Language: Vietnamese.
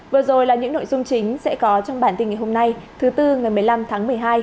vừa rồi là những nội dung chính sẽ có trong bản tin ngày hôm nay thứ tư ngày một mươi năm tháng một mươi hai